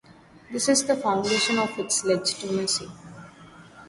This is the foundation of its legitimacy.